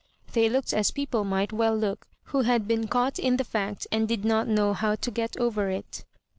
They looked as people might well look who had been caught in the fact and did not know how to get over it.